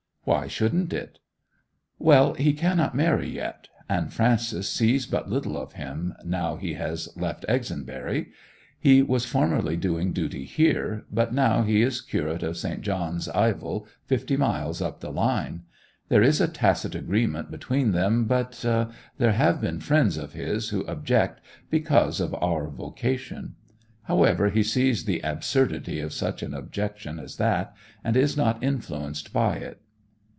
'Why shouldn't it?' 'Well, he cannot marry yet; and Frances sees but little of him now he has left Exonbury. He was formerly doing duty here, but now he is curate of St. John's, Ivell, fifty miles up the line. There is a tacit agreement between them, but—there have been friends of his who object, because of our vocation. However, he sees the absurdity of such an objection as that, and is not influenced by it.